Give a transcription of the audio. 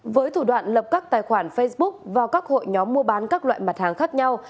với thủ đoạn lập các tài khoản facebook vào các hội nhóm mua bán các loại mặt hàng khác nhau